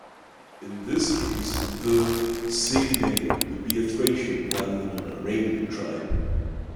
In this case the Sigynnae would be a Thracian rather than an Iranian tribe.